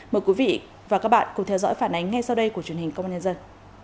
mời quý vị và các bạn cùng theo dõi phản ánh ngay sau đây của truyền hình công an nhân dân